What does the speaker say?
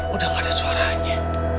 udah ada suaranya